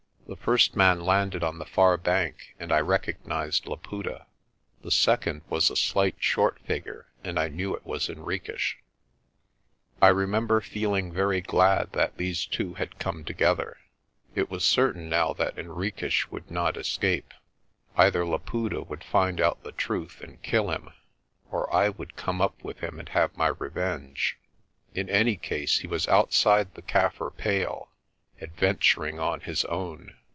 The first man landed on the far bank and I recognised Laputa. The second was a slight short figure and I knew it was Henriques. I remember feeling very glad that these two had come together. It was certain now that Henriques would not escape. Either Laputa would find out the truth and kill him or I would come up with him and have my revenge. In any case he was outside the Kaffir pale, adventuring on his own.